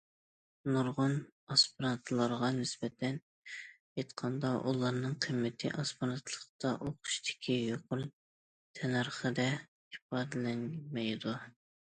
نۇرغۇن ئاسپىرانتلارغا نىسبەتەن ئېيتقاندا، ئۇلارنىڭ قىممىتى ئاسپىرانتلىقتا ئوقۇشتىكى يۇقىرى تەننەرخىدە ئىپادىلەنمەيدۇ.